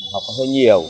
học hơi nhiều